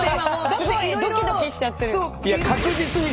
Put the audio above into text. すごいドキドキしちゃってる。